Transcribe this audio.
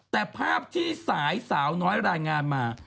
แต่ภาพที่สายสาวน้อยรายงานมา